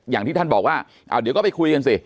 อย่างที่ท่านบอกว่าเดี๋ยวก็ไปคุยกันสิ